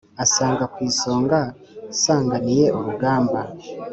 Ansanga ku isonga nsanganiye urugamba.